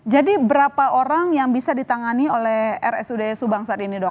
jadi berapa orang yang bisa ditangani oleh rsud subang saat ini dok